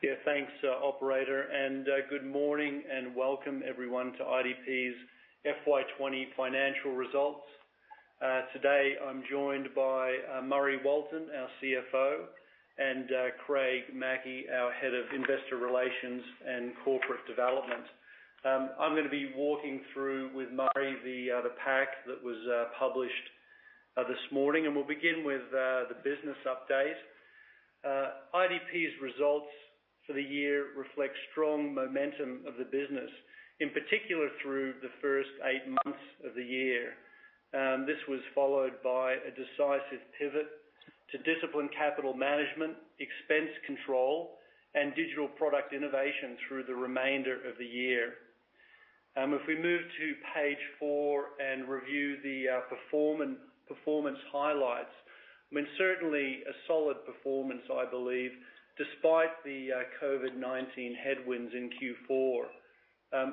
Yeah, thanks, operator, good morning and welcome everyone to IDP's FY 2020 financial results. Today I'm joined by Murray Walton, our CFO, and Craig Mackey, our Head of Investor Relations and Corporate Development. I'm going to be walking through with Murray the pack that was published this morning, and we'll begin with the business update. IDP's results for the year reflect strong momentum of the business, in particular through the first eight months of the year. This was followed by a decisive pivot to discipline capital management, expense control, and digital product innovation through the remainder of the year. If we move to page four and review the performance highlights, certainly a solid performance, I believe, despite the COVID-19 headwinds in Q4.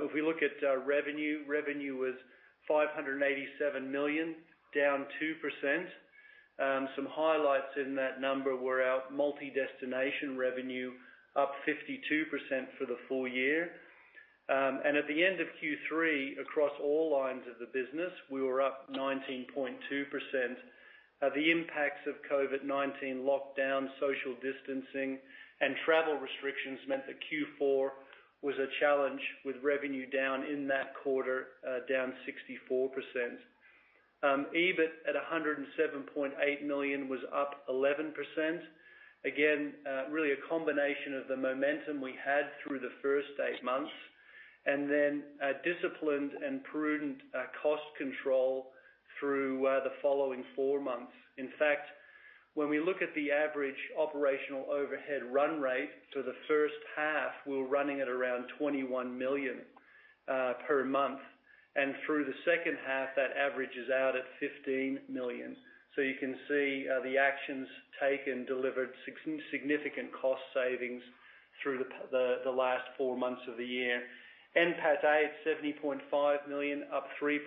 If we look at revenue was 587 million, down 2%. Some highlights in that number were our multi-destination revenue up 52% for the full year. At the end of Q3, across all lines of the business, we were up 19.2%. The impacts of COVID-19 lockdown, social distancing, and travel restrictions meant that Q4 was a challenge with revenue down in that quarter, down 64%. EBIT at 107.8 million was up 11%. Really a combination of the momentum we had through the first eight months, and then a disciplined and prudent cost control through the following four months. In fact, when we look at the average operational overhead run rate for the first half, we were running at around 21 million per month. Through the second half, that average is out at 15 million. You can see the actions taken delivered significant cost savings through the last four months of the year. NPATA at 70.5 million, up 3%.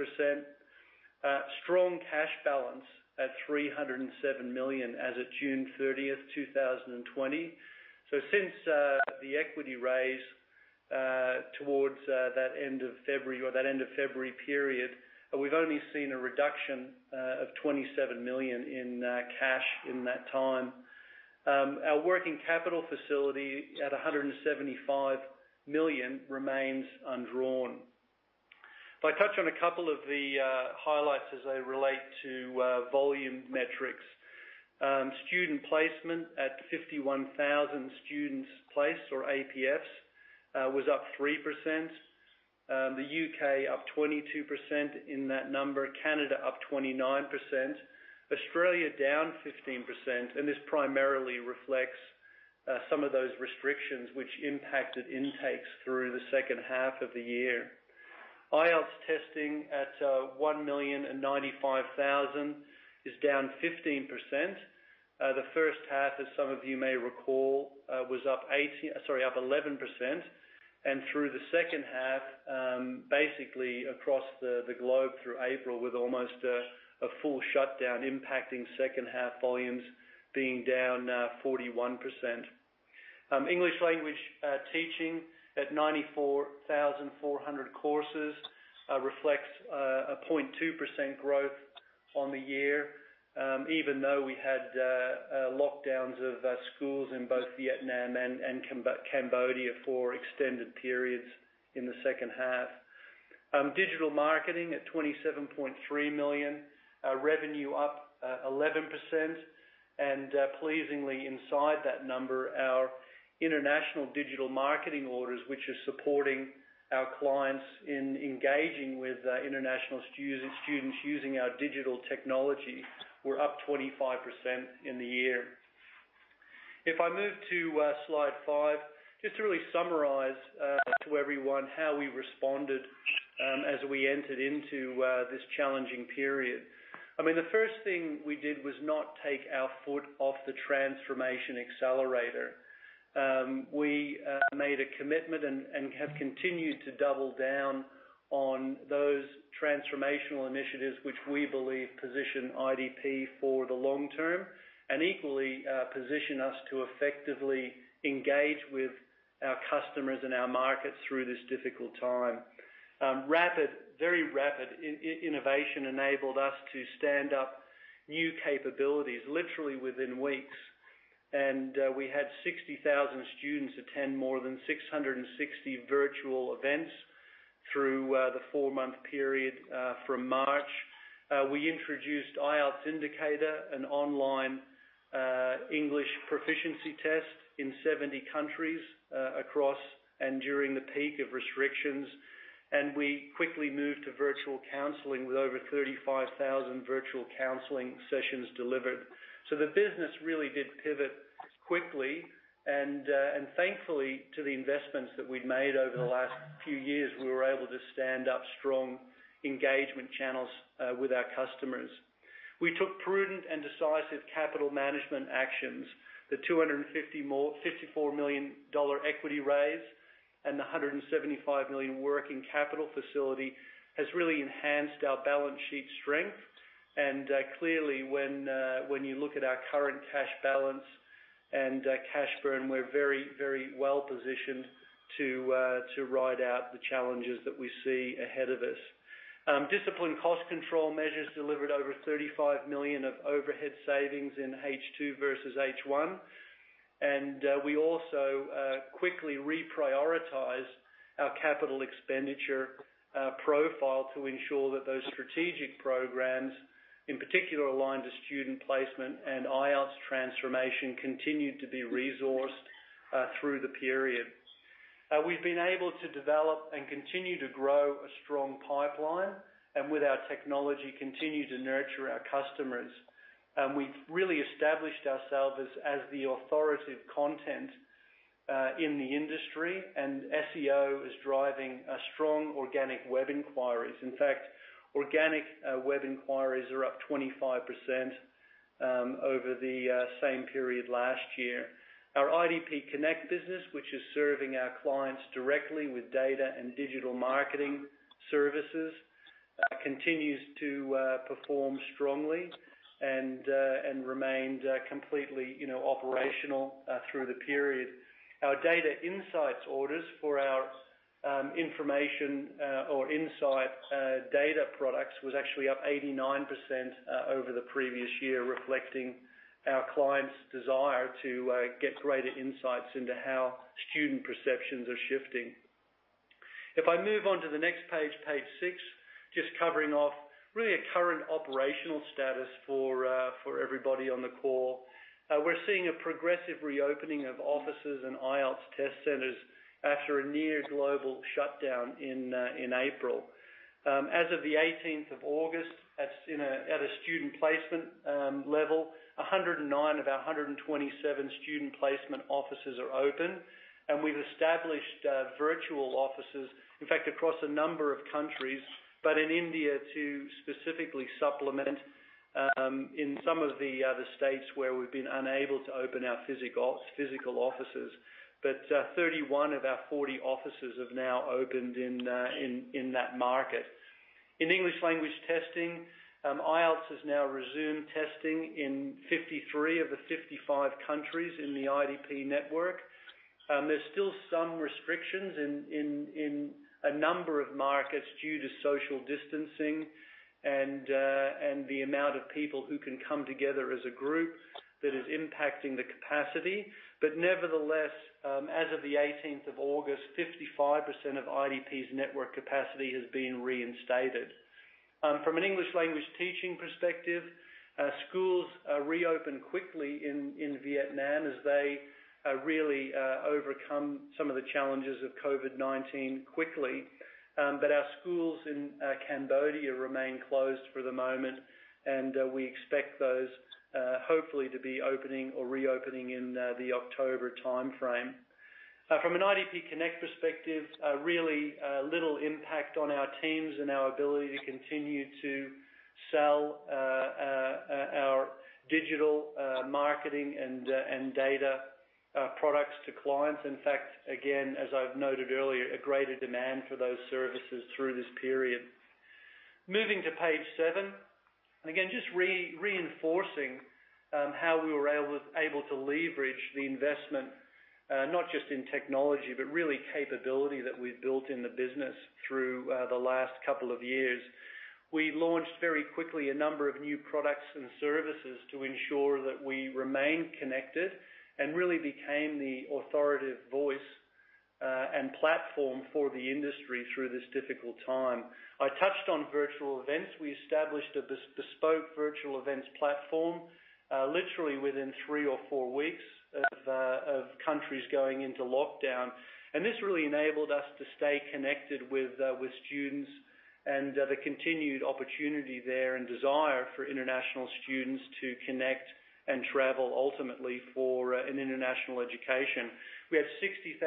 Strong cash balance at 307 million as of June 30th, 2020. Since the equity raise towards that end of February period, we've only seen a reduction of 27 million in cash in that time. Our working capital facility at 175 million remains undrawn. If I touch on a couple of the highlights as they relate to volume metrics. Student placement at 51,000 students placed or APFs, was up 3%. The U.K. up 22% in that number, Canada up 29%, Australia down 15%, this primarily reflects some of those restrictions which impacted intakes through the second half of the year. IELTS testing at 1,095,000 is down 15%. The first half, as some of you may recall, was up 11%, through the second half, basically across the globe through April with almost a full shutdown impacting second half volumes being down, 41%. English language teaching at 94,400 courses reflects a 0.2% growth on the year, even though we had lockdowns of schools in both Vietnam and Cambodia for extended periods in the second half. Digital marketing at 27.3 million. Revenue up 11%, and pleasingly inside that number, our international digital marketing orders, which are supporting our clients in engaging with international students using our digital technology, were up 25% in the year. If I move to slide five, just to really summarize to everyone how we responded as we entered into this challenging period. The first thing we did was not take our foot off the transformation accelerator. We made a commitment and have continued to double down on those transformational initiatives which we believe position IDP for the long term, and equally, position us to effectively engage with our customers and our markets through this difficult time. Very rapid innovation enabled us to stand up new capabilities literally within weeks. We had 60,000 students attend more than 660 virtual events through the four-month period from March. We introduced IELTS Indicator, an online English proficiency test in 70 countries across and during the peak of restrictions. We quickly moved to virtual counseling with over 35,000 virtual counseling sessions delivered. The business really did pivot quickly and thankfully to the investments that we'd made over the last few years, we were able to stand up strong engagement channels with our customers. We took prudent and decisive capital management actions. The 254 million dollar equity raise and the 175 million working capital facility has really enhanced our balance sheet strength. Clearly when you look at our current cash balance and cash burn, we're very well positioned to ride out the challenges that we see ahead of us. Disciplined cost control measures delivered over 35 million of overhead savings in H2 versus H1. We also quickly reprioritized our capital expenditure profile to ensure that those strategic programs, in particular aligned to Student Placement and IELTS transformation, continued to be resourced through the period. We've been able to develop and continue to grow a strong pipeline, and with our technology, continue to nurture our customers. We've really established ourselves as the authoritative content in the industry, and SEO is driving strong organic web inquiries. Organic web inquiries are up 25% over the same period last year. Our IDP Connect business, which is serving our clients directly with data and digital marketing services, continues to perform strongly and remained completely operational through the period. Our data insights orders for our information or insight data products was actually up 89% over the previous year, reflecting our clients' desire to get greater insights into how student perceptions are shifting. If I move on to the next page six, just covering off really a current operational status for everybody on the call. We're seeing a progressive reopening of offices and IELTS test centers after a near global shutdown in April. As of the 18th of August, at a student placement level, 109 of our 127 student placement offices are open and we've established virtual offices, in fact, across a number of countries. In India to specifically supplement in some of the other states where we've been unable to open our physical offices, but 31 of our 40 offices have now opened in that market. In English language testing, IELTS has now resumed testing in 53 of the 55 countries in the IDP network. There's still some restrictions in a number of markets due to social distancing and the amount of people who can come together as a group that is impacting the capacity. Nevertheless, as of the 18th of August, 55% of IDP's network capacity has been reinstated. From an English language teaching perspective, schools reopen quickly in Vietnam as they really overcome some of the challenges of COVID-19 quickly. Our schools in Cambodia remain closed for the moment, and we expect those, hopefully, to be opening or reopening in the October timeframe. From an IDP Connect perspective, really little impact on our teams and our ability to continue to sell our digital marketing and data products to clients. In fact, again, as I've noted earlier, a greater demand for those services through this period. Moving to page seven. Again, just reinforcing how we were able to leverage the investment, not just in technology, but really capability that we've built in the business through the last couple of years. We launched very quickly a number of new products and services to ensure that we remain connected and really became the authoritative voice and platform for the industry through this difficult time. I touched on virtual events. We established a bespoke virtual events platform literally within three or four weeks of countries going into lockdown. This really enabled us to stay connected with students and the continued opportunity there and desire for international students to connect and travel ultimately for an international education. We have 60,000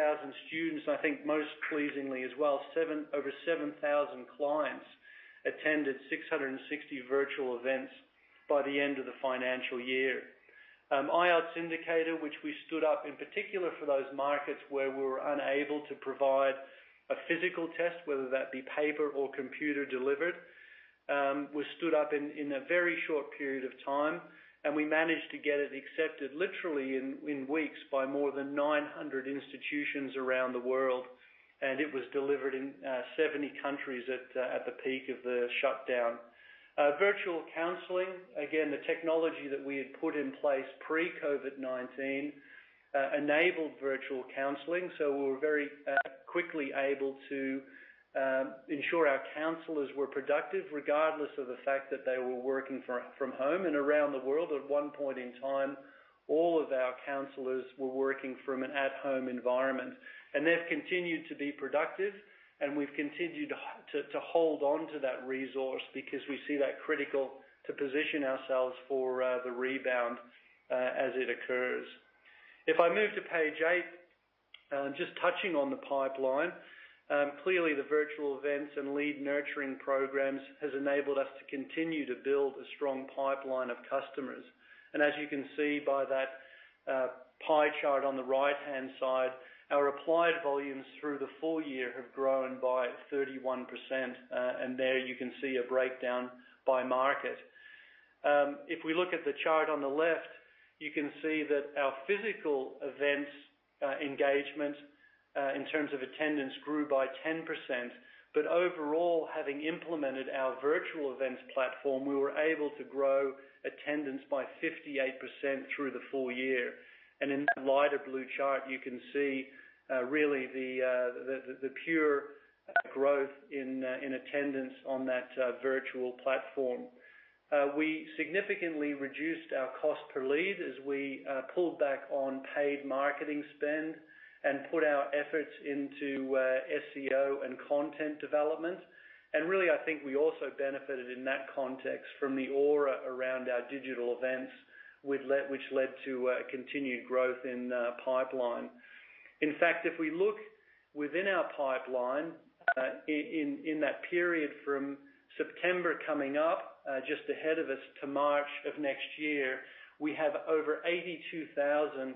students, I think most pleasingly as well, over 7,000 clients attended 660 virtual events by the end of the financial year. IELTS Indicator, which we stood up in particular for those markets where we're unable to provide a physical test, whether that be paper or computer delivered, was stood up in a very short period of time. We managed to get it accepted literally in weeks by more than 900 institutions around the world. It was delivered in 70 countries at the peak of the shutdown. Virtual counseling. The technology that we had put in place pre-COVID-19 enabled virtual counseling, so we were very quickly able to ensure our counselors were productive regardless of the fact that they were working from home and around the world. At one point in time, all of our counselors were working from an at-home environment, and they've continued to be productive and we've continued to hold on to that resource because we see that critical to position ourselves for the rebound as it occurs. If I move to page eight, just touching on the pipeline. Clearly, the virtual events and lead nurturing programs has enabled us to continue to build a strong pipeline of customers. As you can see by that pie chart on the right-hand side, our applied volumes through the full year have grown by 31%, and there you can see a breakdown by market. If we look at the chart on the left, you can see that our physical events engagement, in terms of attendance, grew by 10%. Overall, having implemented our virtual events platform, we were able to grow attendance by 58% through the full year. In that lighter blue chart, you can see really the pure growth in attendance on that virtual platform. We significantly reduced our cost per lead as we pulled back on paid marketing spend and put our efforts into SEO and content development. Really, I think we also benefited in that context from the aura around our digital events which led to continued growth in pipeline. In fact, if we look within our pipeline, in that period from September coming up just ahead of us to March of next year, we have over 82,000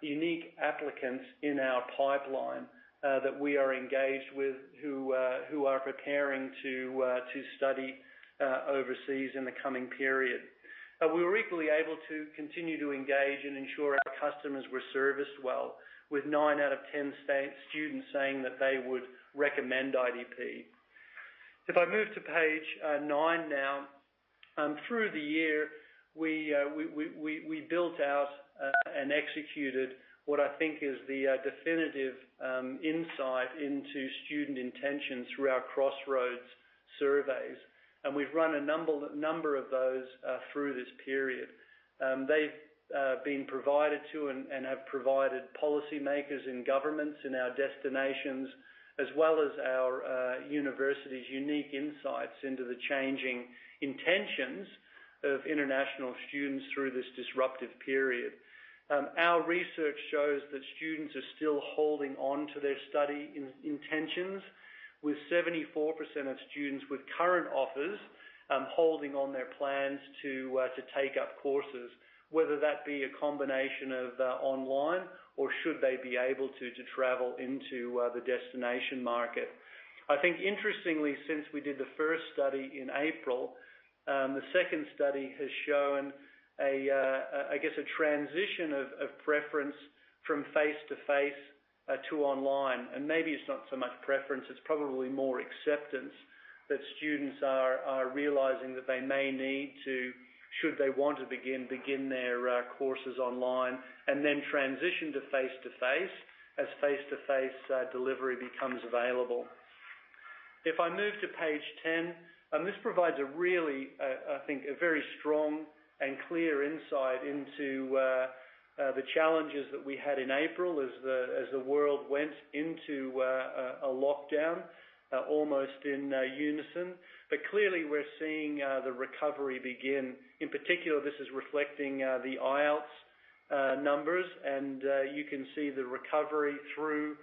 unique applicants in our pipeline that we are engaged with who are preparing to study overseas in the coming period. We were equally able to continue to engage and ensure our customers were serviced well, with nine out of 10 students saying that they would recommend IDP. If I move to page nine now. Through the year, we built out and executed what I think is the definitive insight into student intentions through our Crossroads surveys, and we've run a number of those through this period. They've been provided to and have provided policymakers in governments in our destinations, as well as our universities, unique insights into the changing intentions of international students through this disruptive period. Our research shows that students are still holding on to their study intentions, with 74% of students with current offers holding on their plans to take up courses, whether that be a combination of online or should they be able to travel into the destination market. I think interestingly, since we did the first study in April, the second study has shown, I guess, a transition of preference from face-to-face to online. Maybe it's not so much preference, it's probably more acceptance that students are realizing that they may need to, should they want to begin their courses online and then transition to face-to-face as face-to-face delivery becomes available. If I move to page 10. This provides a really, I think, a very strong and clear insight into the challenges that we had in April as the world went into a lockdown almost in unison. Clearly, we're seeing the recovery begin. In particular, this is reflecting the IELTS numbers, and you can see the recovery through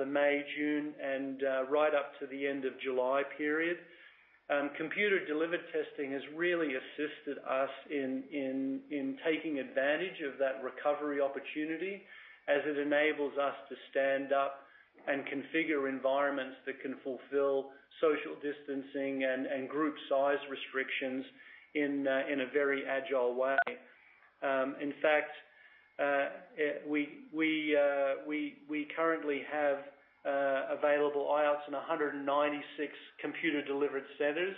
the May, June, and right up to the end of July period. Computer-delivered testing has really assisted us in taking advantage of that recovery opportunity, as it enables us to stand up and configure environments that can fulfill social distancing and group size restrictions in a very agile way. We currently have available IELTS in 196 computer-delivered centers,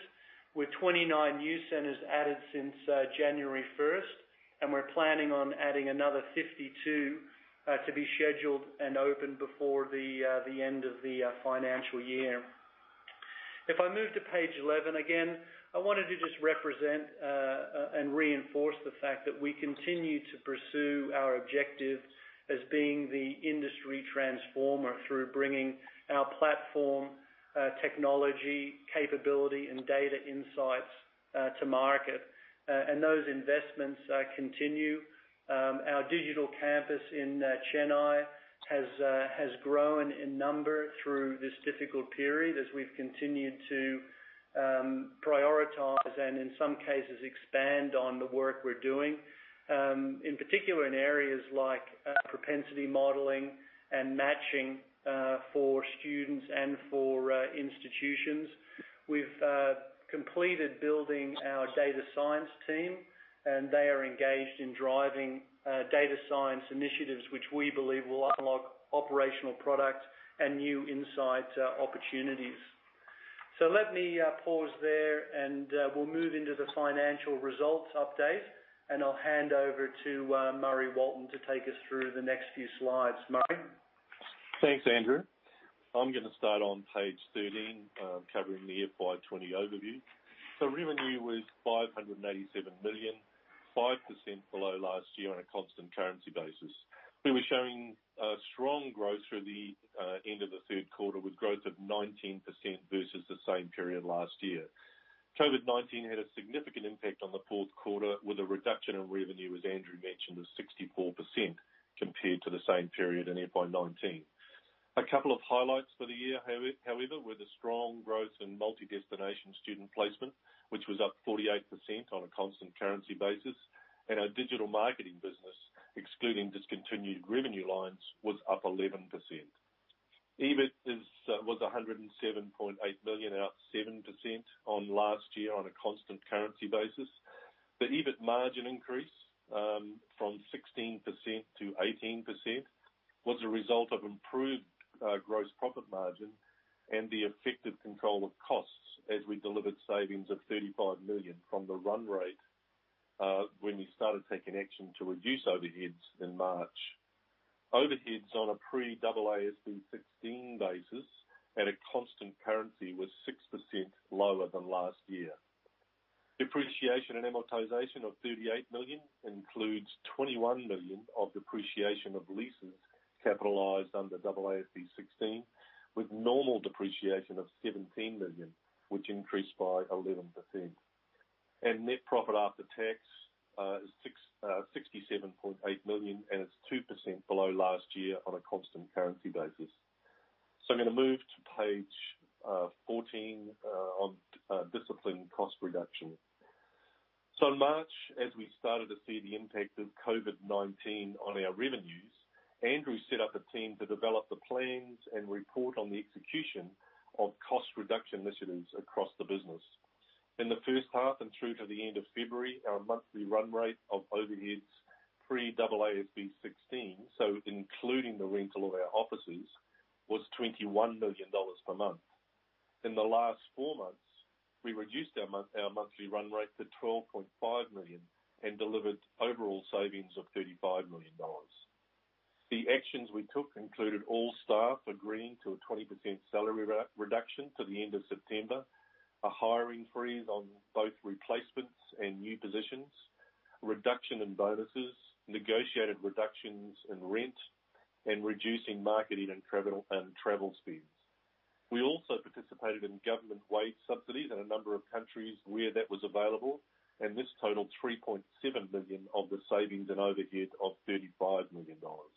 with 29 new centers added since January 1st. We're planning on adding another 52 to be scheduled and open before the end of the financial year. If I move to page 11. I wanted to just represent and reinforce the fact that we continue to pursue our objective as being the industry transformer through bringing our platform, technology, capability, and data insights to market. Those investments continue. Our digital campus in Chennai has grown in number through this difficult period as we've continued to prioritize and, in some cases, expand on the work we're doing. In particular, in areas like propensity modeling and matching for students and for institutions. We've completed building our data science team, and they are engaged in driving data science initiatives, which we believe will unlock operational product and new insight opportunities. Let me pause there, and we'll move into the financial results update, and I'll hand over to Murray Walton to take us through the next few slides. Murray? Thanks, Andrew. I'm going to start on page 13, covering the FY 2020 overview. Revenue was 587 million, 5% below last year on a constant currency basis. We were showing strong growth through the end of the third quarter, with growth of 19% versus the same period last year. COVID-19 had a significant impact on the fourth quarter with a reduction in revenue, as Andrew mentioned, of 64% compared to the same period in FY 2019. A couple of highlights for the year, however, were the strong growth in multi-destination student placement, which was up 48% on a constant currency basis, and our digital marketing business, excluding discontinued revenue lines, was up 11%. EBIT was 107.8 million, up 7% on last year on a constant currency basis. The EBIT margin increase from 16% -18% was a result of improved gross profit margin and the effective control of costs as we delivered savings of 35 million from the run rate when we started taking action to reduce overheads in March. Overheads on a pre-AASB 16 basis at a constant currency was 6% lower than last year. Depreciation and amortization of 38 million includes 21 million of depreciation of leases capitalized under AASB 16, with normal depreciation of 17 million, which increased by 11%. Net profit after tax is 67.8 million, and it's 2% below last year on a constant currency basis. I'm going to move to page 14 on disciplined cost reduction. In March, as we started to see the impact of COVID-19 on our revenues, Andrew set up a team to develop the plans and report on the execution of cost reduction initiatives across the business. In the first half and through to the end of February, our monthly run rate of overheads pre-AASB 16, so including the rental of our offices, was 21 million dollars per month. In the last four months, we reduced our monthly run rate to 12.5 million and delivered overall savings of 35 million dollars. The actions we took included all staff agreeing to a 20% salary reduction to the end of September, a hiring freeze on both replacements and new positions, reduction in bonuses, negotiated reductions in rent, and reducing marketing and travel spends. We also participated in government wage subsidies in a number of countries where that was available, and this totaled 3.7 million of the savings and overhead of 35 million dollars.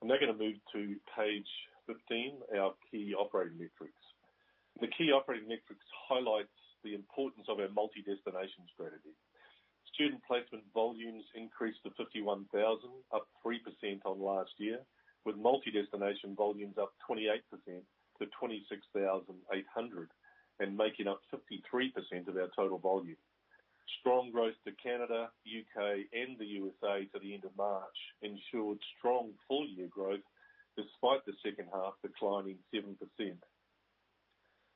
I'm now going to move to page 15, our key operating metrics. The key operating metrics highlights the importance of our multi-destination strategy. Student placement volumes increased to 51,000, up 3% on last year, with multi-destination volumes up 28% to 26,800 and making up 53% of our total volume. Strong growth to Canada, U.K., and the U.S.A. to the end of March ensured strong full-year growth despite the second half declining 7%.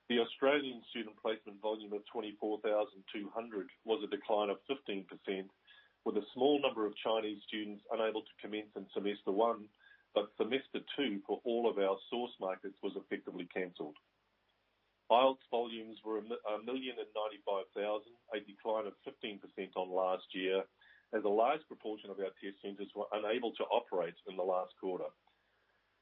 The Australian student placement volume of 24,200 was a decline of 15%, with a small number of Chinese students unable to commence in semester one. Semester two for all of our source markets was effectively canceled. IELTS volumes were 1,095,000, a decline of 15% on last year, as a large proportion of our test centers were unable to operate in the last quarter.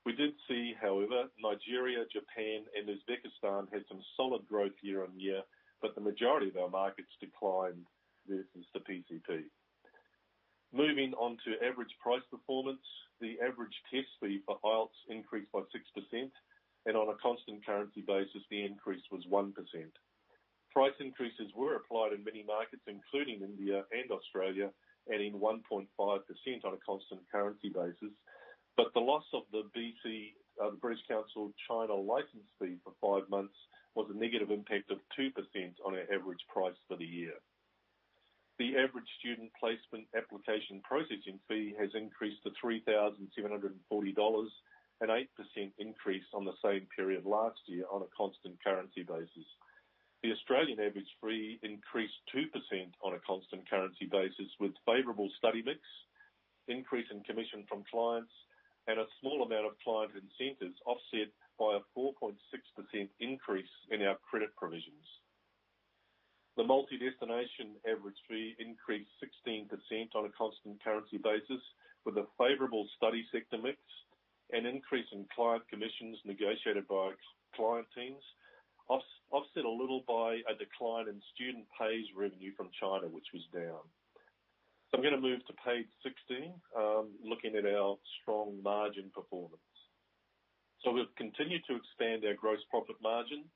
We did see, however, Nigeria, Japan, and Uzbekistan had some solid growth year on year, but the majority of our markets declined versus the PCP. Moving on to average price performance. The average test fee for IELTS increased by 6%, and on a constant currency basis, the increase was 1%. Price increases were applied in many markets, including India and Australia, adding 1.5% on a constant currency basis, but the loss of the BC, the British Council China license fee for five months, was a negative impact of 2% on our average price for the year. The average student placement application processing fee has increased to 3,740 dollars, an 8% increase on the same period last year on a constant currency basis. The Australian average fee increased 2% on a constant currency basis with favorable study mix, increase in commission from clients, and a small amount of client incentives offset by a 4.6% increase in our credit provisions. The multi-destination average fee increased 16% on a constant currency basis with a favorable study sector mix, an increase in client commissions negotiated by client teams, offset a little by a decline in student pays revenue from China, which was down. I'm going to move to page 16, looking at our strong margin performance. We've continued to expand our gross profit margin,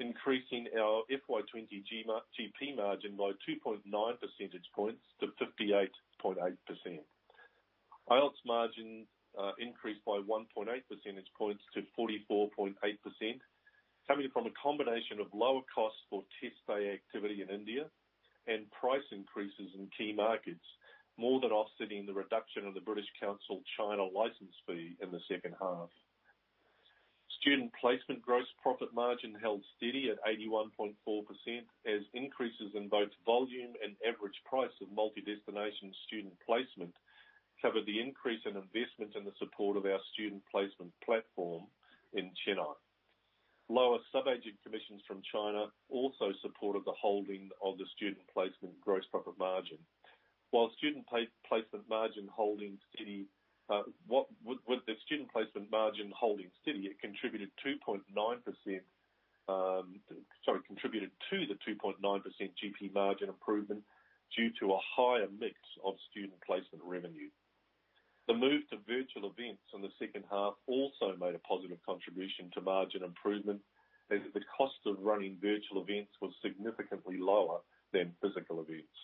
increasing our FY 2020 GP margin by 2.9 percentage points to 58.8%. IELTS margin increased by 1.8 percentage points to 44.8%, coming from a combination of lower costs for test day activity in India and price increases in key markets, more than offsetting the reduction of the British Council China license fee in the second half. Student placement gross profit margin held steady at 81.4% as increases in both volume and average price of multi-destination student placement covered the increase in investment in the support of our student placement platform in Chennai. Lower sub-agent commissions from China also supported the holding of the student placement gross profit margin. With the student placement margin holding steady, it contributed to the 2.9% GP margin improvement due to a higher mix of student placement revenue. The move to virtual events in the second half also made a positive contribution to margin improvement, as the cost of running virtual events was significantly lower than physical events.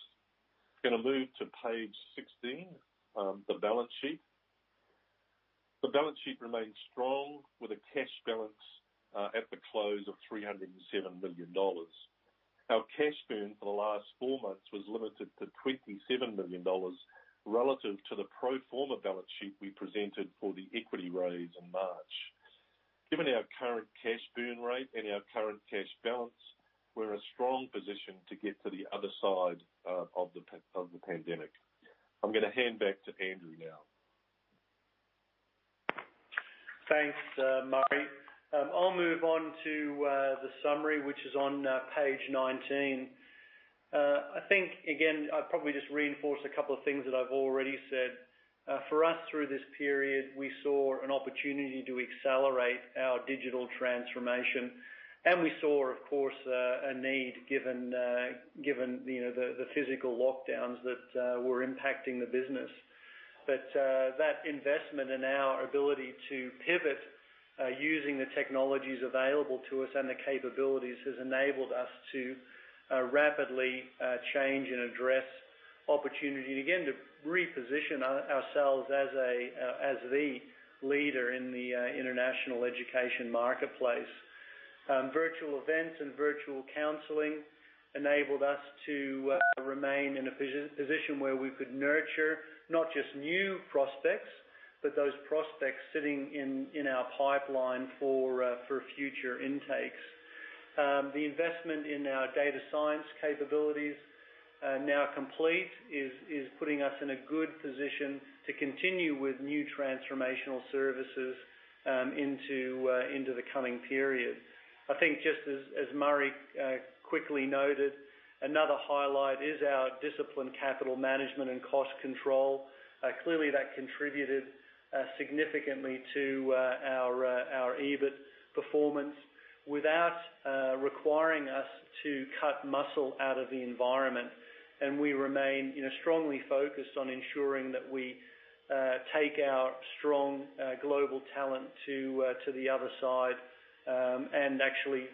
Going to move to page 16, the balance sheet. The balance sheet remains strong with a cash balance at the close of 307 million dollars. Our cash burn for the last four months was limited to 27 million dollars relative to the pro forma balance sheet we presented for the equity raise in March. Given our current cash burn rate and our current cash balance, we're in a strong position to get to the other side of the pandemic. I'm going to hand back to Andrew now. Thanks, Murray. I'll move on to the summary, which is on page 19. I think, again, I'll probably just reinforce a couple of things that I've already said. For us, through this period, we saw an opportunity to accelerate our digital transformation, and we saw, of course, a need given the physical lockdowns that were impacting the business. That investment in our ability to pivot using the technologies available to us and the capabilities, has enabled us to rapidly change and address opportunity and again, to reposition ourselves as the leader in the international education marketplace. Virtual events and virtual counseling enabled us to remain in a position where we could nurture not just new prospects, but those prospects sitting in our pipeline for future intakes. The investment in our data science capabilities, now complete, is putting us in a good position to continue with new transformational services into the coming period. I think, just as Murray quickly noted, another highlight is our disciplined capital management and cost control. Clearly, that contributed significantly to our EBIT performance without requiring us to cut muscle out of the environment. We remain strongly focused on ensuring that we take our strong global talent to the other side and actually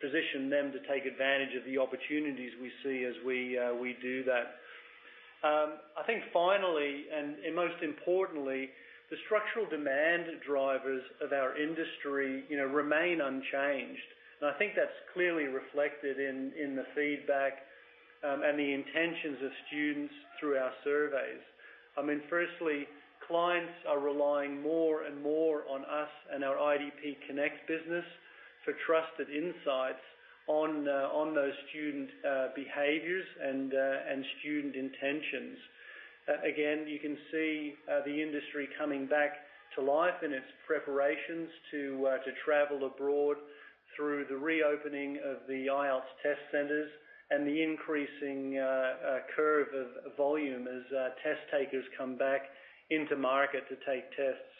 position them to take advantage of the opportunities we see as we do that. I think finally, and most importantly, the structural demand drivers of our industry remain unchanged. I think that's clearly reflected in the feedback and the intentions of students through our surveys. Firstly, clients are relying more and more on us and our IDP Connect business for trusted insights on those student behaviors and student intentions. You can see the industry coming back to life and its preparations to travel abroad through the reopening of the IELTS test centers and the increasing curve of volume as test takers come back into market to take tests.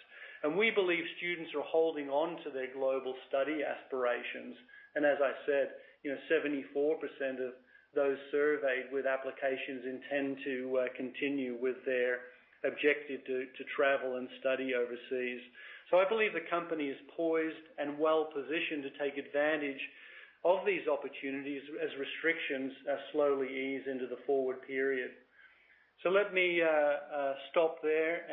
We believe students are holding on to their global study aspirations. As I said, 74% of those surveyed with applications intend to continue with their objective to travel and study overseas. I believe the company is poised and well-positioned to take advantage of these opportunities as restrictions slowly ease into the forward period. Let me stop there.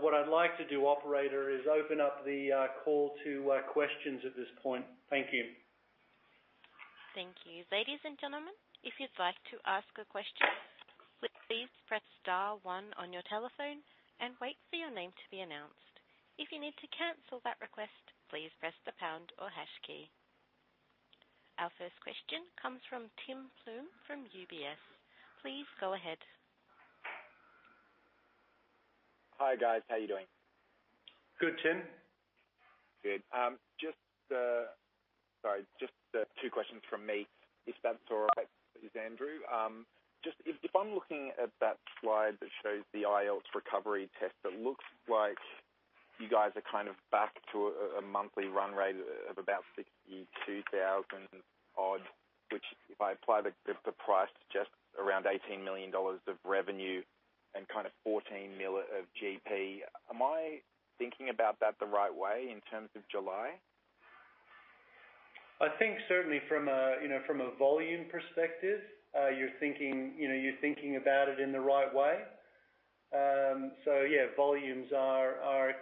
What I'd like to do, operator, is open up the call to questions at this point. Thank you. Thank you. Ladies and gentlemen, if you'd like to ask a question, would you please press star one on your telephone and wait for your name to be announced. If you need to cancel that request, please press the pound or hash key. Our first question comes from Tim Plumbe from UBS. Please go ahead. Hi, guys. How are you doing? Good, Tim. Good. Just two questions from me, if that's all right, Andrew. I'm looking at that slide that shows the IELTS recovery test, it looks like you guys are kind of back to a monthly run rate of about 62,000 odd, which, if I apply the price, just around 18 million dollars of revenue and kind of 14 mil of GP. Am I thinking about that the right way in terms of July? I think certainly from a volume perspective, you're thinking about it in the right way. Yeah, volumes are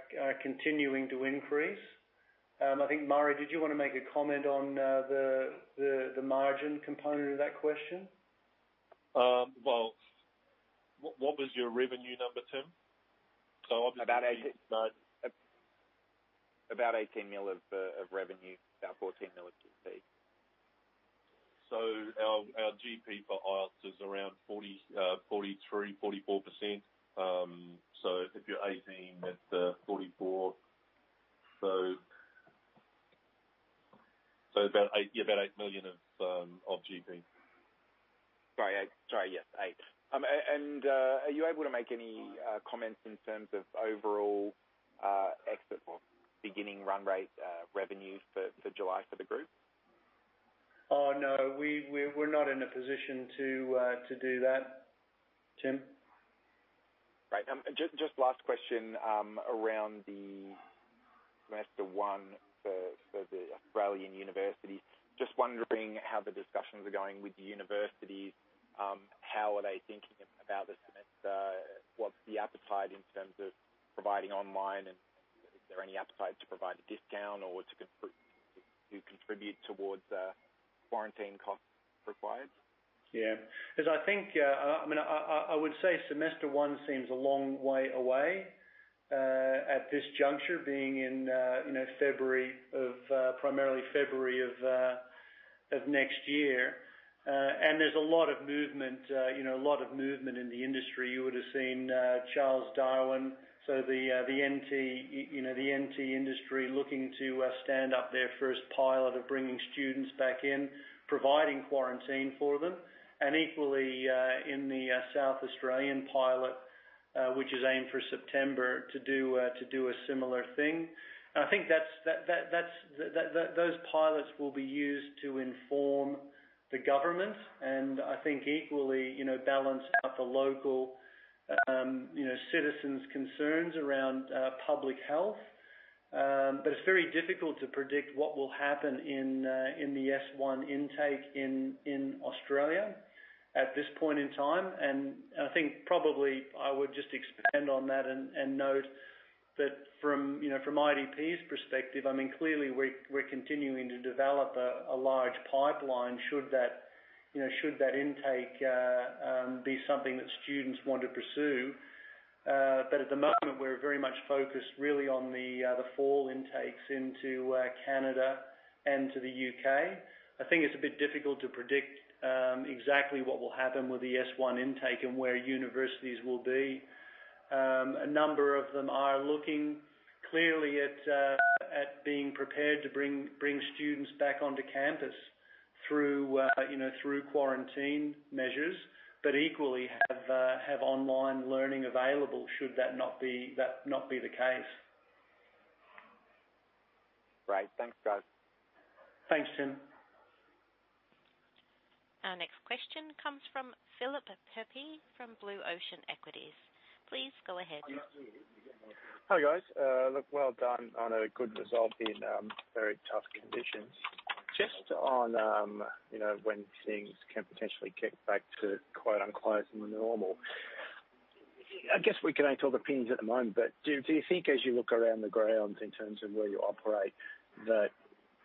continuing to increase. I think, Murray, did you want to make a comment on the margin component of that question? Well, what was your revenue number, Tim? About 18 million of revenue, about 14 million of GP. Our GP for IELTS is around 43%, 44%. If you're 18 million at 44%, about 8 million of GP. Sorry, yes, eight. Are you able to make any comments in terms of overall beginning run rate revenues for July for the group? Oh, no, we're not in a position to do that. Tim? Right. Just last question around the semester one for the Australian university. Just wondering how the discussions are going with the universities. How are they thinking about the semester? What's the appetite in terms of providing online, and is there any appetite to provide a discount or to contribute towards the quarantine costs required? Yeah. I would say semester one seems a long way away at this juncture, being in primarily February of next year. There's a lot of movement in the industry. You would've seen Charles Darwin, so the NT industry looking to stand up their first pilot of bringing students back in, providing quarantine for them. Equally, in the South Australian pilot, which is aimed for September, to do a similar thing. I think those pilots will be used to inform the government, and I think equally balance out the local citizens' concerns around public health. It's very difficult to predict what will happen in the S1 intake in Australia at this point in time. I think probably I would just expand on that and note that from IDP's perspective, clearly we're continuing to develop a large pipeline should that intake be something that students want to pursue. At the moment, we're very much focused really on the fall intakes into Canada and to the U.K. I think it's a bit difficult to predict exactly what will happen with the S1 intake and where universities will be. A number of them are looking clearly at being prepared to bring students back onto campus through quarantine measures, but equally have online learning available should that not be the case. Great. Thanks, guys. Thanks, Tim. Our next question comes from Philip Pepe from Blue Ocean Equities. Please go ahead. Hi, guys. Look, well done on a good result in very tough conditions. Just on when things can potentially get back to quote unquote normal. I guess we can only talk opinions at the moment, do you think as you look around the grounds in terms of where you operate, that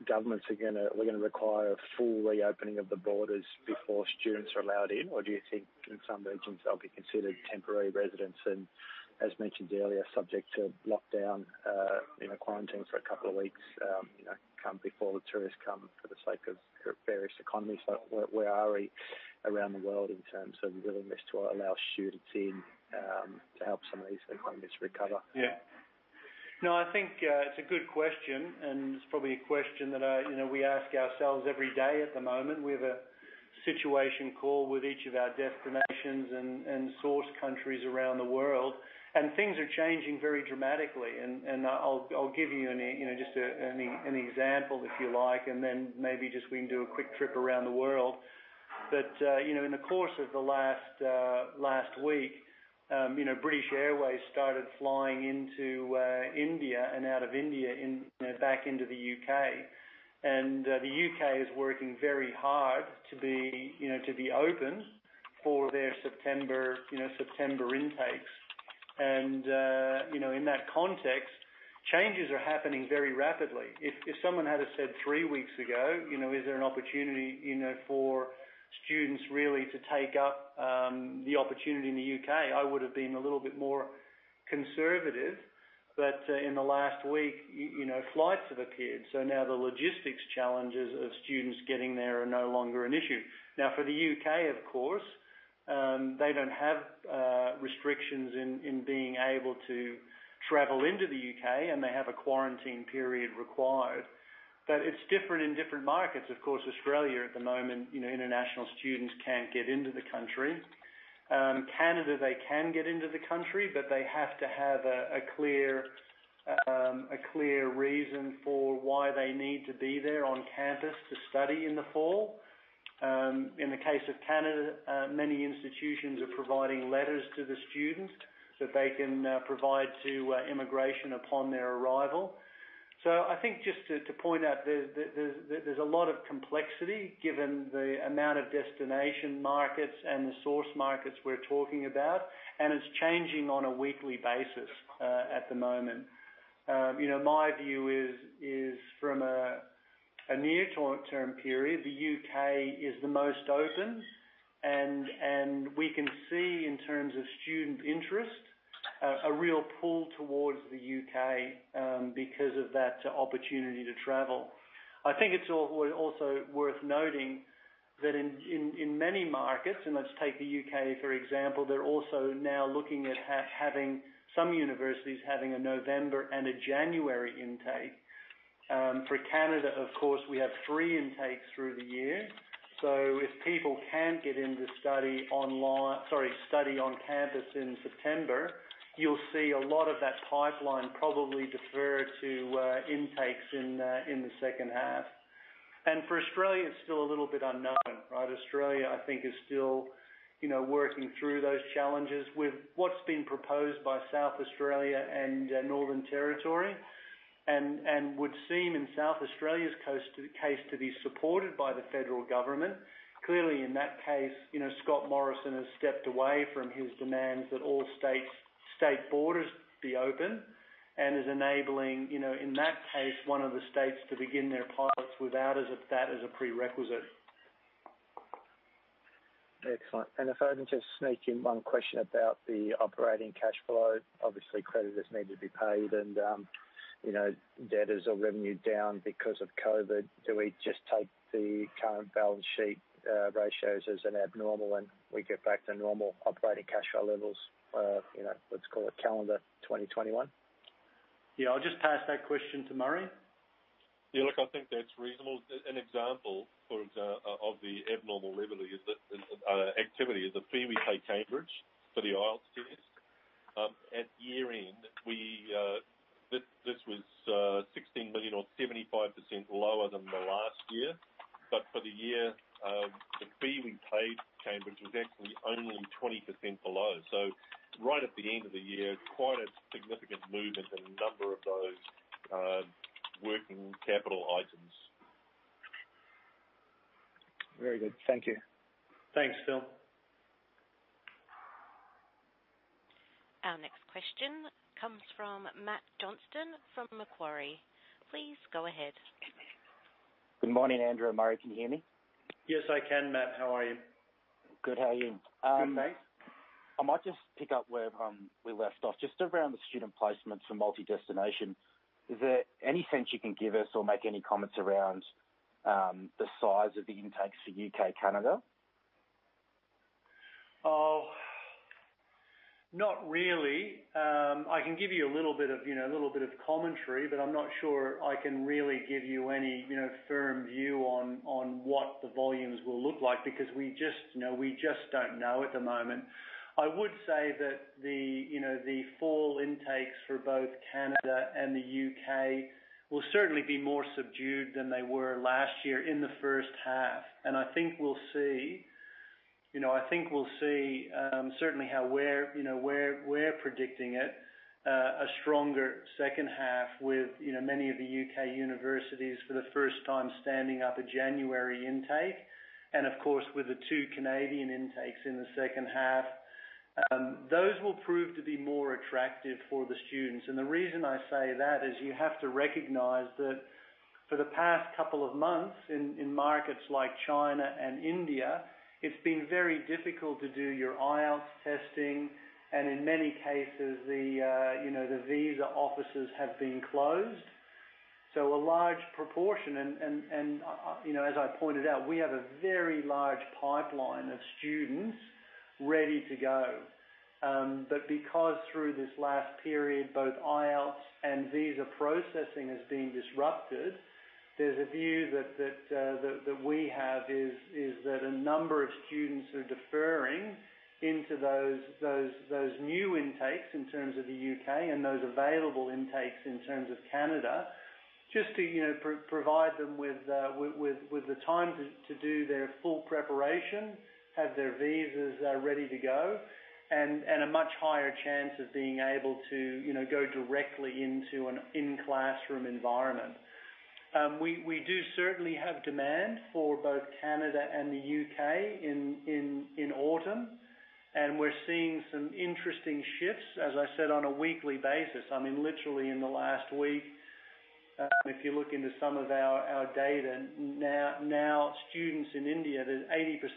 governments are going to require a full reopening of the borders before students are allowed in? Do you think in some regions they'll be considered temporary residents and, as mentioned earlier, subject to lockdown, quarantine for a couple of weeks, come before the tourists come for the sake of various economies? Where are we around the world in terms of willingness to allow students in to help some of these economies recover? Yeah. No, I think it's a good question. It's probably a question that we ask ourselves every day at the moment. We have a situation call with each of our destinations and source countries around the world. Things are changing very dramatically. I'll give you just an example if you like. Then maybe just we can do a quick trip around the world. In the course of the last week, British Airways started flying into India and out of India back into the U.K. The U.K. is working very hard to be open for their September intakes. In that context, changes are happening very rapidly. If someone had have said three weeks ago, is there an opportunity for students really to take up the opportunity in the U.K.? I would've been a little bit more conservative. In the last week, flights have appeared, so now the logistics challenges of students getting there are no longer an issue. Now, for the U.K., of course, they don't have restrictions in being able to travel into the U.K., and they have a quarantine period required. It's different in different markets. Of course, Australia at the moment, international students can't get into the country. Canada, they can get into the country, but they have to have a clear reason for why they need to be there on campus to study in the fall. In the case of Canada, many institutions are providing letters to the students that they can provide to immigration upon their arrival. I think just to point out, there's a lot of complexity given the amount of destination markets and the source markets we're talking about, and it's changing on a weekly basis at the moment. My view is from a near-term period, the U.K. is the most open, and we can see in terms of student interest, a real pull towards the U.K. because of that opportunity to travel. I think it's also worth noting that in many markets, and let's take the U.K., for example, they're also now looking at some universities having a November and a January intake. For Canada, of course, we have three intakes through the year. If people can't get in to study on campus in September, you'll see a lot of that pipeline probably defer to intakes in the second half. For Australia, it's still a little bit unknown, right? Australia, I think, is still working through those challenges with what's been proposed by South Australia and Northern Territory, and would seem in South Australia's case to be supported by the federal government. Clearly, in that case, Scott Morrison has stepped away from his demands that all state borders be open and is enabling, in that case, one of the states to begin their pilots without that as a prerequisite. If I can just sneak in one question about the operating cash flow. Obviously, creditors need to be paid and debtors or revenue down because of COVID. Do we just take the current balance sheet ratios as an abnormal, and we get back to normal operating cash flow levels, let's call it calendar 2021? I'll just pass that question to Murray. Yeah, look, I think that's reasonable. An example of the abnormal activity is the fee we pay Cambridge for the IELTS test. At year-end, this was 16 million or 75% lower than the last year. For the year, the fee we paid Cambridge was actually only 20% below. Right at the end of the year, quite a significant movement in a number of those working capital items. Very good. Thank you. Thanks, Phil. Our next question comes from Matt Johnston from Macquarie. Please go ahead. Good morning, Andrew and Murray. Can you hear me? Yes, I can, Matt. How are you? Good. How are you? Good, thanks. I might just pick up where we left off, just around the student placements for multi-destination. Is there any sense you can give us or make any comments around the size of the intakes for U.K., Canada? Not really. I can give you a little bit of commentary, but I'm not sure I can really give you any firm view on what the volumes will look like, because we just don't know at the moment. I would say that the fall intakes for both Canada and the U.K. will certainly be more subdued than they were last year in the first half. I think we'll see certainly how we're predicting it, a stronger second half with many of the U.K. universities for the first time standing up a January intake. Of course, with the two Canadian intakes in the second half, those will prove to be more attractive for the students. The reason I say that is you have to recognize that for the past couple of months in markets like China and India, it's been very difficult to do your IELTS testing, and in many cases, the visa offices have been closed. A large proportion, and as I pointed out, we have a very large pipeline of students ready to go. Because through this last period, both IELTS and visa processing has been disrupted, there's a view that we have is that a number of students are deferring into those new intakes in terms of the U.K. and those available intakes in terms of Canada, just to provide them with the time to do their full preparation, have their visas ready to go, and a much higher chance of being able to go directly into an in-classroom environment. We do certainly have demand for both Canada and the UK in autumn. We're seeing some interesting shifts, as I said, on a weekly basis. I mean, literally in the last week, if you look into some of our data, now students in India, there's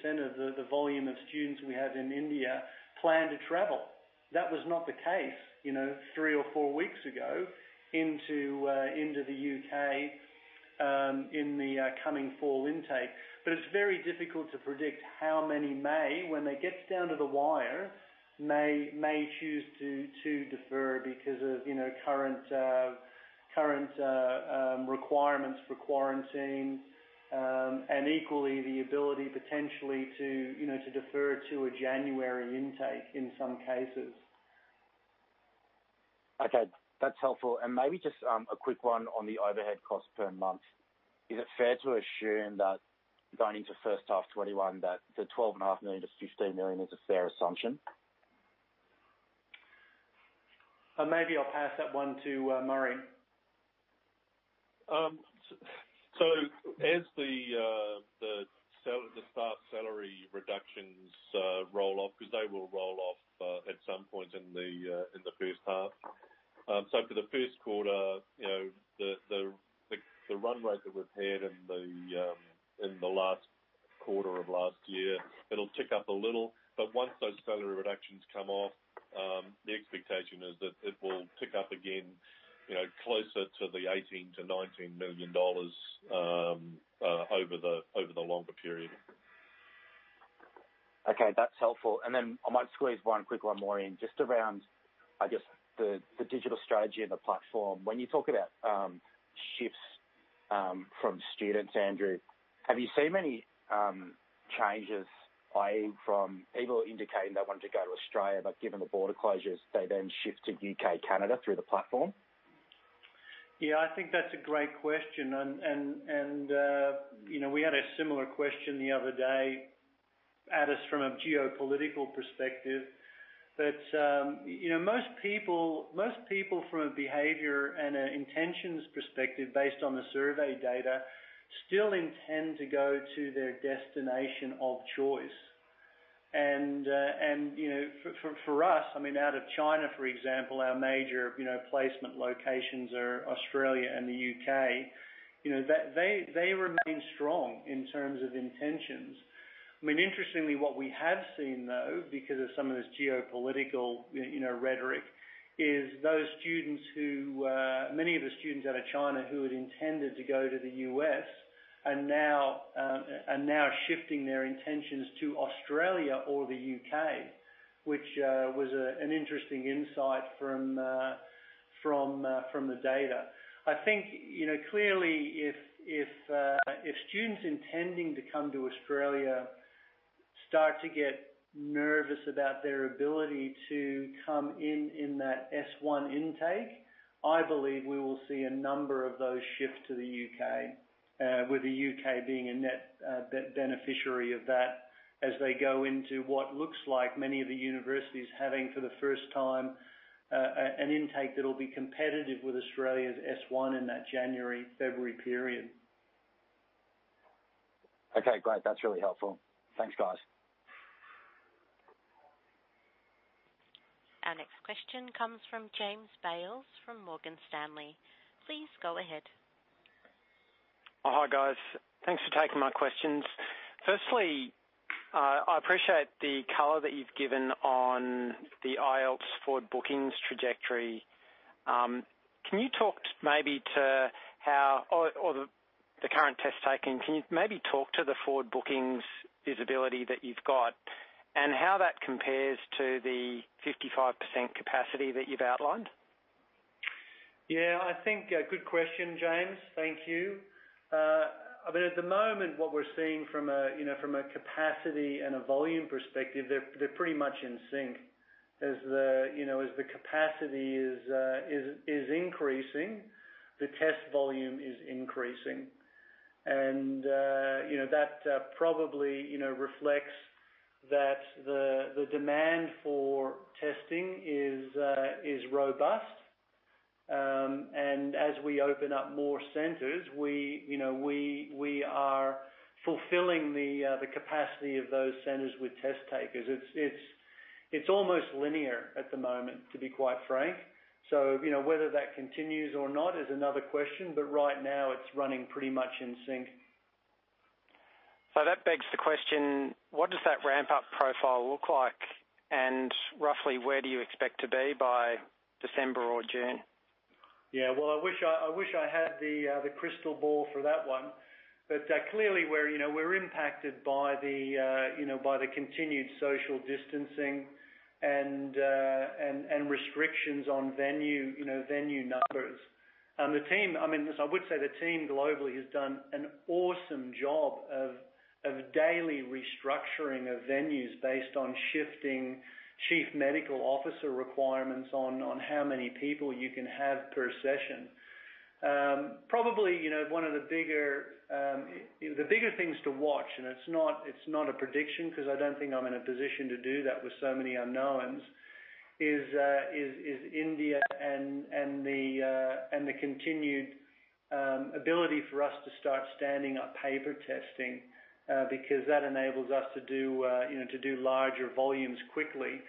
80% of the volume of students we have in India plan to travel. That was not the case three or four weeks ago into the UK in the coming fall intake. It's very difficult to predict how many may, when it gets down to the wire, may choose to defer because of current requirements for quarantine, and equally the ability potentially to defer to a January intake in some cases. Okay. That's helpful. Maybe just a quick one on the overhead cost per month. Is it fair to assume that going into first half FY 2021, that the 12.5 million-15 million is a fair assumption? Maybe I'll pass that one to Murray. As the staff salary reductions roll off, because they will roll off at some point in the first half. For the first quarter, the run rate that we've had in the last quarter of last year, it'll tick up a little, but once those salary reductions come off, the expectation is that it will tick up again closer to the 18 million-19 million dollars over the longer period. Okay, that's helpful. Then I might squeeze one quick one more in, just around, I guess the digital strategy and the platform. When you talk about shifts from students, Andrew, have you seen many changes from people indicating they wanted to go to Australia, but given the border closures, they then shift to U.K., Canada through the platform? Yeah, I think that's a great question, and we had a similar question the other day asked from a geopolitical perspective. Most people from a behavior and an intentions perspective, based on the survey data, still intend to go to their destination of choice. For us, out of China, for example, our major placement locations are Australia and the U.K. They remain strong in terms of intentions. Interestingly, what we have seen, though, because of some of this geopolitical rhetoric, is many of the students out of China who had intended to go to the U.S. are now shifting their intentions to Australia or the U.K., which was an interesting insight from the data. I think, clearly, if students intending to come to Australia start to get nervous about their ability to come in in that S1 intake, I believe we will see a number of those shift to the U.K., with the U.K. being a net beneficiary of that as they go into what looks like many of the universities having, for the first time, an intake that'll be competitive with Australia's S1 in that January-February period. Okay, great. That's really helpful. Thanks, guys. Our next question comes from James Bales from Morgan Stanley. Please go ahead. Hi, guys. Thanks for taking my questions. I appreciate the color that you've given on the IELTS forward bookings trajectory. Can you talk maybe to or the current test taking, can you maybe talk to the forward bookings visibility that you've got and how that compares to the 55% capacity that you've outlined? Yeah, I think, good question, James. Thank you. At the moment, what we're seeing from a capacity and a volume perspective, they're pretty much in sync. As the capacity is increasing, the test volume is increasing. That probably reflects that the demand for testing is robust. As we open up more centers, we are fulfilling the capacity of those centers with test takers. It's almost linear at the moment, to be quite frank. Whether that continues or not is another question, but right now it's running pretty much in sync. That begs the question, what does that ramp-up profile look like? Roughly where do you expect to be by December or June? Yeah. Well, I wish I had the crystal ball for that one. Clearly, we're impacted by the continued social distancing and restrictions on venue numbers. I would say the team globally has done an awesome job of daily restructuring of venues based on shifting chief medical officer requirements on how many people you can have per session. Probably, one of the bigger things to watch, and it's not a prediction because I don't think I'm in a position to do that with so many unknowns, is India and the continued ability for us to start standing up paper testing, because that enables us to do larger volumes quickly.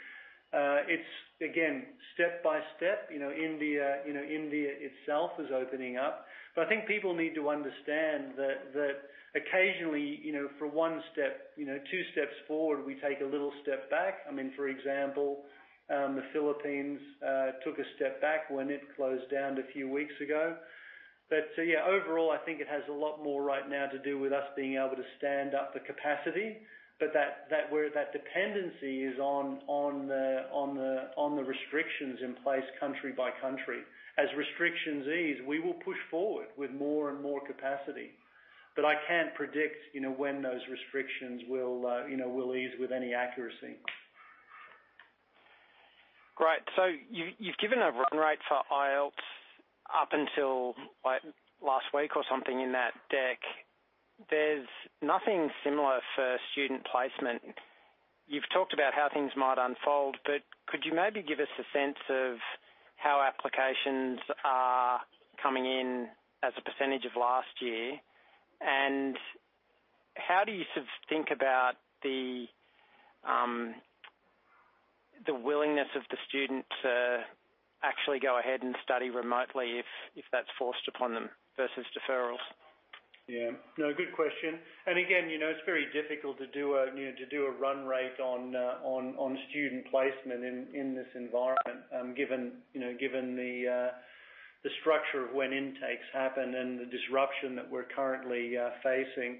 It's, again, step by step. India itself is opening up. I think people need to understand that occasionally, for one step, two steps forward, we take a little step back. For example, the Philippines took a step back when it closed down a few weeks ago. Yeah, overall, I think it has a lot more right now to do with us being able to stand up the capacity, but that dependency is on the restrictions in place country by country. As restrictions ease, we will push forward with more and more capacity. I can't predict when those restrictions will ease with any accuracy. Great. You've given a run rate for IELTS up until last week or something in that deck. There's nothing similar for student placement. You've talked about how things might unfold, could you maybe give us a sense of how applications are coming in as a percentage of last year? How do you sort of think about the willingness of the student to actually go ahead and study remotely if that's forced upon them versus deferrals. Yeah. No, good question. Again, it's very difficult to do a run rate on student placement in this environment, given the structure of when intakes happen and the disruption that we're currently facing.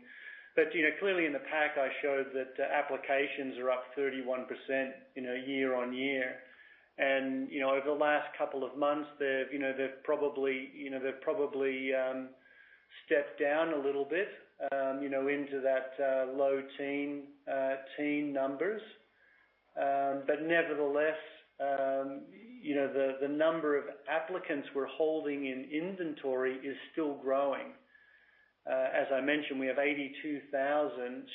Clearly in the pack I showed that applications are up 31% year-on-year. Over the last couple of months, they've probably stepped down a little bit into that low teen numbers. Nevertheless, the number of applicants we're holding in inventory is still growing. As I mentioned, we have 82,000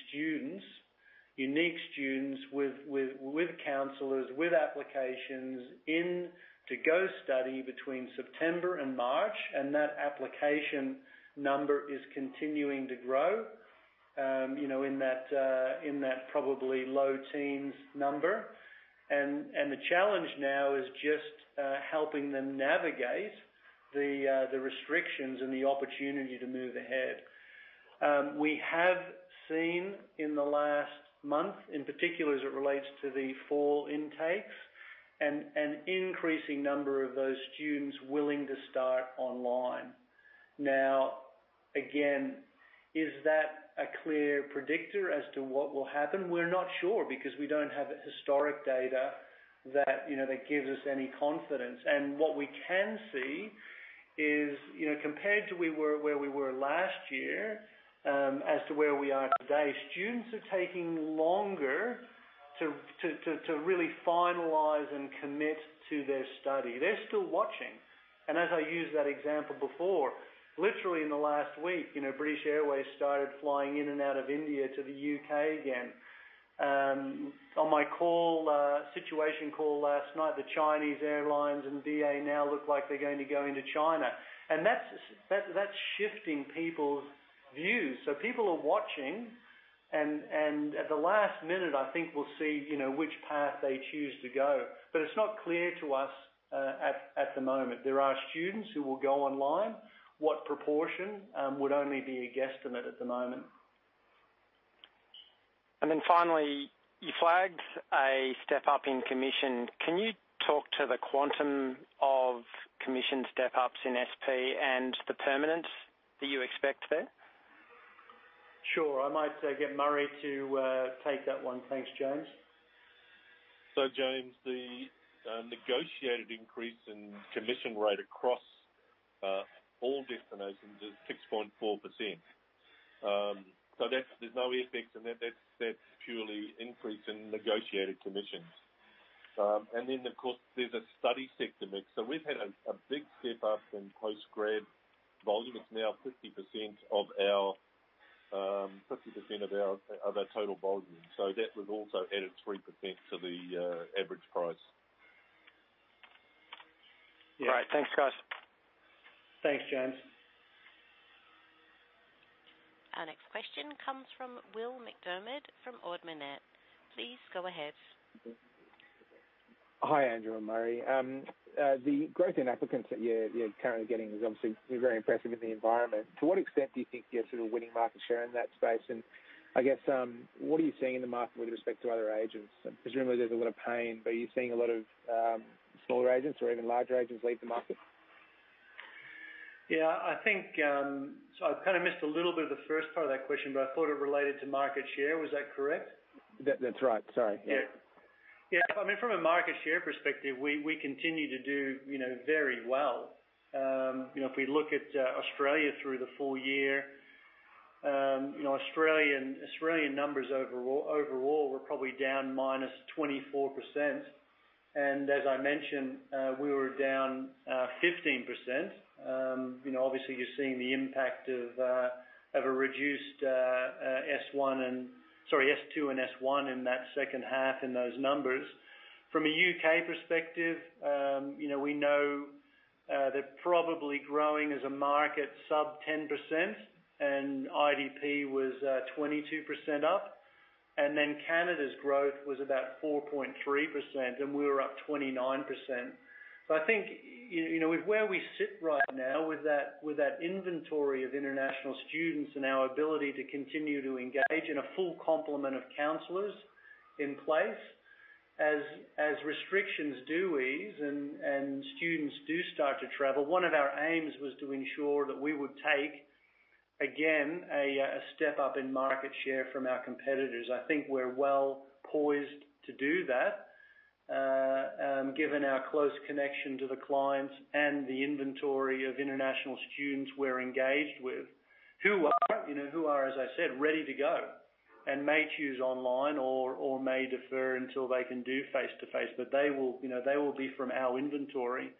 students, unique students with counselors, with applications in to go study between September and March, and that application number is continuing to grow, in that probably low teens number. The challenge now is just helping them navigate the restrictions and the opportunity to move ahead. We have seen in the last month, in particular as it relates to the fall intakes, an increasing number of those students willing to start online. Now again, is that a clear predictor as to what will happen? We're not sure because we don't have historic data that gives us any confidence. What we can see is, compared to where we were last year as to where we are today, students are taking longer to really finalize and commit to their study. They're still watching. As I used that example before, literally in the last week, British Airways started flying in and out of India to the U.K. again. On my situation call last night, the Chinese airlines and BA now look like they're going to go into China. That's shifting people's views. People are watching and at the last minute, I think we will see which path they choose to go. It is not clear to us at the moment. There are students who will go online. What proportion would only be a guesstimate at the moment. Finally, you flagged a step-up in commission. Can you talk to the quantum of commission step-ups in SP and the permanence that you expect there? Sure. I might get Murray to take that one. Thanks, James. James, the negotiated increase in commission rate across all destinations is 6.4%. There's no effect, and that's purely increase in negotiated commissions. Then of course, there's a study sector mix. We've had a big step-up in postgrad volume. It's now 50% of our total volume. That has also added 3% to the average price. Yeah. All right. Thanks, guys. Thanks, James. Our next question comes from Will MacDiarmid from Ord Minnett. Please go ahead. Hi, Andrew and Murray. The growth in applicants that you're currently getting is obviously very impressive in the environment. To what extent do you think you're sort of winning market share in that space? I guess, what are you seeing in the market with respect to other agents? Presumably there's a lot of pain, are you seeing a lot of smaller agents or even larger agents leave the market? Yeah, I think, I kind of missed a little bit of the first part of that question, but I thought it related to market share. Was that correct? That's right. Sorry. Yeah. Yeah. I mean, from a market share perspective, we continue to do very well. If we look at Australia through the full year, Australian numbers overall were probably down 24%. As I mentioned, we were down 15%. Obviously you're seeing the impact of a reduced S2 and S1 in that second half in those numbers. From a U.K. perspective, we know they're probably growing as a market sub 10%, and IDP was 22% up. Then Canada's growth was about 4.3%, and we were up 29%. I think, with where we sit right now with that inventory of international students and our ability to continue to engage and a full complement of counselors in place, as restrictions do ease and students do start to travel, one of our aims was to ensure that we would take, again, a step-up in market share from our competitors. I think we're well poised to do that given our close connection to the clients and the inventory of international students we're engaged with, who are, as I said, ready to go and may choose online or may defer until they can do face-to-face, but they will be from our inventory.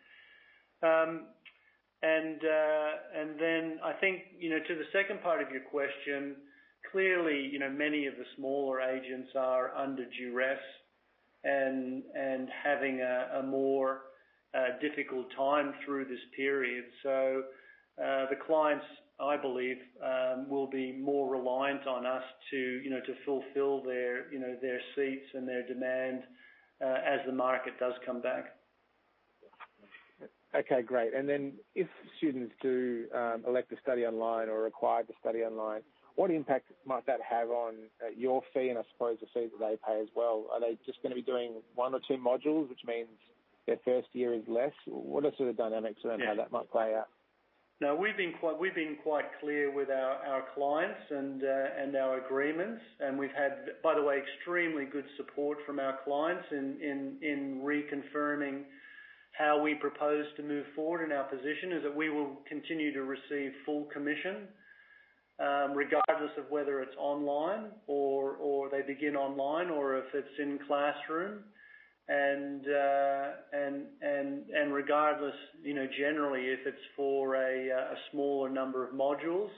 Then I think to the second part of your question, clearly, many of the smaller agents are under duress and having a difficult time through this period. The clients, I believe, will be more reliant on us to fulfill their seats and their demand as the market does come back. Okay, great. If students do elect to study online or are required to study online, what impact might that have on your fee and I suppose the fee that they pay as well? Are they just going to be doing one or two modules, which means their first year is less? What are sort of dynamics around how that might play out? No, we've been quite clear with our clients and our agreements. We've had, by the way, extremely good support from our clients in reconfirming how we propose to move forward and our position is that we will continue to receive full commission, regardless of whether it's online or they begin online or if it's in classroom. Regardless, generally, if it's for a smaller number of modules.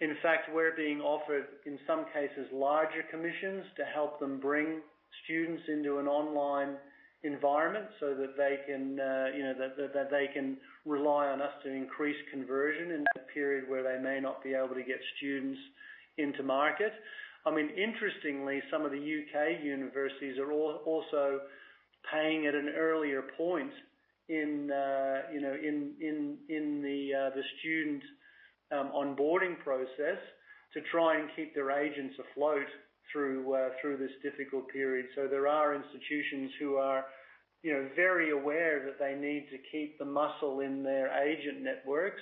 In fact, we're being offered, in some cases, larger commissions to help them bring students into an online environment so that they can rely on us to increase conversion in that period where they may not be able to get students into market. Interestingly, some of the U.K. universities are also paying at an earlier point in the student onboarding process to try and keep their agents afloat through this difficult period. There are institutions who are very aware that they need to keep the muscle in their agent networks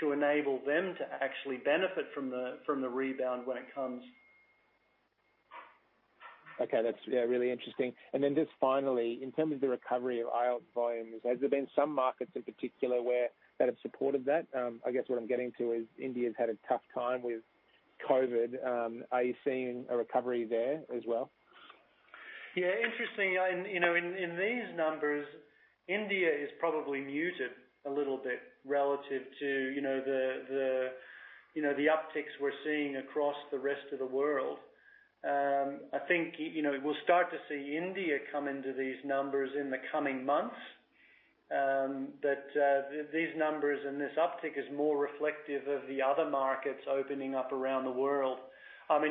to enable them to actually benefit from the rebound when it comes. Okay. That's really interesting. Just finally, in terms of the recovery of IELTS volumes, has there been some markets in particular that have supported that? I guess what I'm getting to is India's had a tough time with COVID. Are you seeing a recovery there as well? Yeah, interesting. In these numbers, India is probably muted a little bit relative to the upticks we're seeing across the rest of the world. I think we'll start to see India come into these numbers in the coming months. These numbers and this uptick is more reflective of the other markets opening up around the world. I'll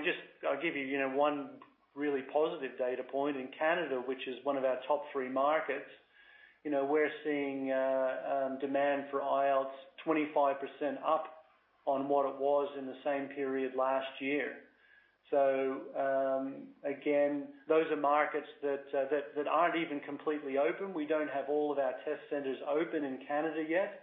give you one really positive data point. In Canada, which is one of our top three markets, we're seeing demand for IELTS 25% up on what it was in the same period last year. Again, those are markets that aren't even completely open. We don't have all of our test centers open in Canada yet.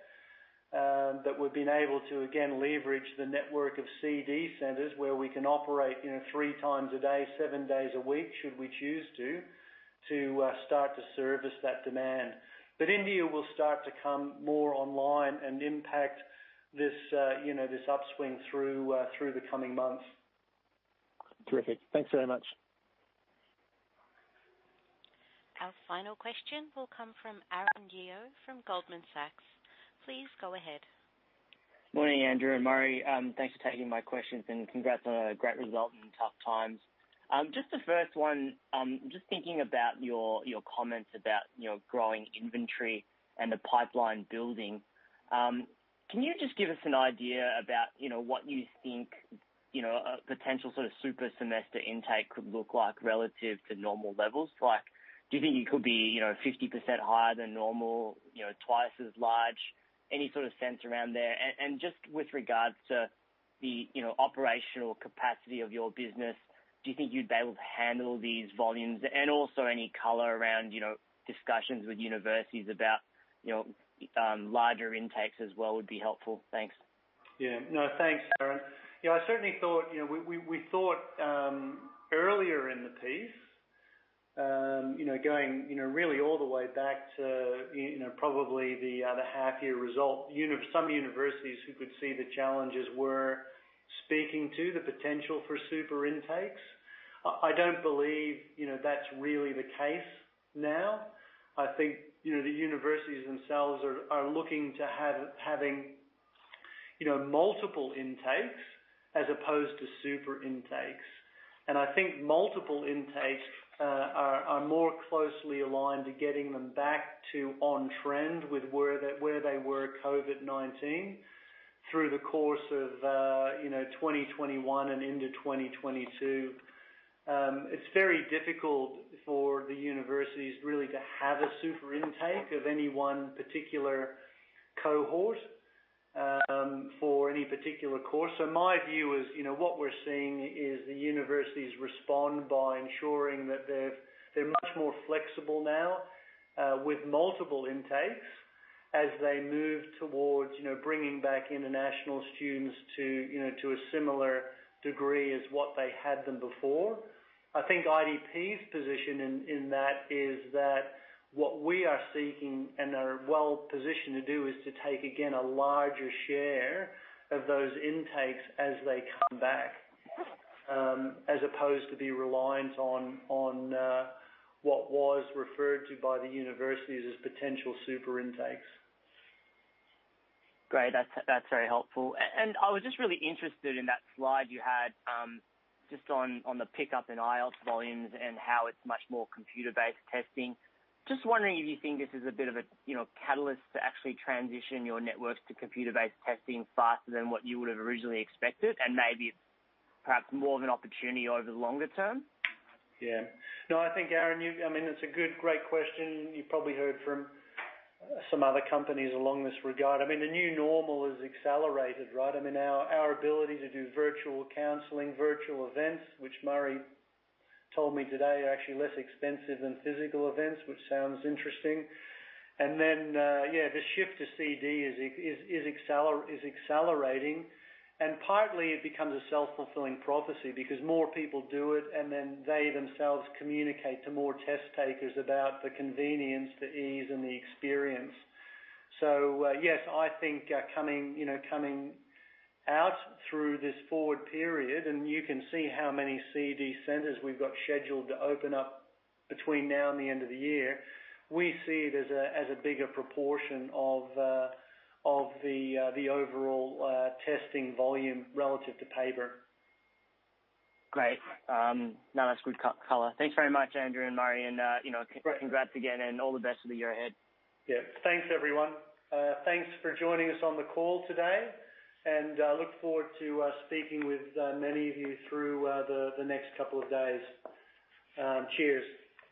We've been able to, again, leverage the network of CD centers where we can operate three times a day, seven days a week, should we choose to start to service that demand. India will start to come more online and impact this upswing through the coming months. Terrific. Thanks very much. Our final question will come from Aaron Yeoh from Goldman Sachs. Please go ahead. Morning, Andrew and Murray. Thanks for taking my questions and congrats on a great result in tough times. Just the first one, thinking about your comments about growing inventory and the pipeline building. Can you just give us an idea about what you think a potential sort of super semester intake could look like relative to normal levels? Do you think it could be 50% higher than normal, twice as large? Any sort of sense around there. Just with regards to the operational capacity of your business, do you think you'd be able to handle these volumes and also any color around discussions with universities about larger intakes as well would be helpful. Thanks. Yeah. No, thanks, Aaron. We thought earlier in the piece, going really all the way back to probably the half-year result, some universities who could see the challenges were speaking to the potential for super intakes. I don't believe that's really the case now. I think the universities themselves are looking to having multiple intakes as opposed to super intakes. I think multiple intakes are more closely aligned to getting them back to on-trend with where they were COVID-19 through the course of 2021 and into 2022. It's very difficult for the universities really to have a super intake of any one particular cohort for any particular course. My view is what we're seeing is the universities respond by ensuring that they're much more flexible now with multiple intakes as they move towards bringing back international students to a similar degree as what they had them before. I think IDP's position in that is that what we are seeking and are well-positioned to do is to take, again, a larger share of those intakes as they come back, as opposed to be reliant on what was referred to by the universities as potential super intakes. Great. That's very helpful. I was just really interested in that slide you had just on the pickup in IELTS volumes and how it's much more computer-based testing. Just wondering if you think this is a bit of a catalyst to actually transition your networks to computer-based testing faster than what you would've originally expected and maybe perhaps more of an opportunity over the longer term? Yeah. No, I think, Aaron, it's a great question, and you probably heard from some other companies along this regard. The new normal has accelerated, right? Our ability to do virtual counseling, virtual events, which Murray told me today are actually less expensive than physical events, which sounds interesting. Then, yeah, the shift to CD is accelerating. Partly it becomes a self-fulfilling prophecy because more people do it, and then they themselves communicate to more test takers about the convenience, the ease, and the experience. Yes, I think coming out through this forward period, and you can see how many CD centers we've got scheduled to open up between now and the end of the year, we see it as a bigger proportion of the overall testing volume relative to paper. Great. No, that's good color. Thanks very much, Andrew and Murray. Great Congrats again and all the best for the year ahead. Yeah. Thanks, everyone. Thanks for joining us on the call today and look forward to speaking with many of you through the next couple of days. Cheers.